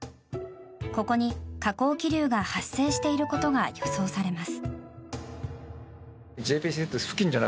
ここに、下降気流が発生していることが予想されます。